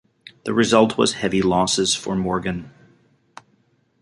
The result was heavy losses for Morgan.